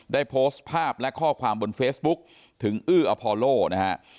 ได้โพสต์ภาพและข้อความบนเฟซบุ๊กถึงอื้ออพอโลนะฮะ